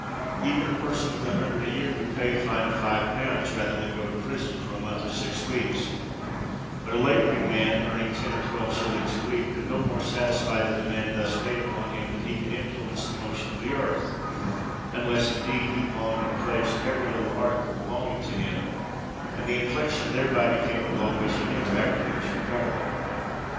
Even a person with a hundred a year would pay a fine of five pounds rather than go to prison for a month or six weeks: but a labouring man, earning ten or twelve shillings a week, could no more satisfy the demand thus made upon him than he could influence the motion of the earth,—unless, indeed, he pawned and pledged every little article belonging to him; and the infliction thereby became a blow which he never afterwards recovered.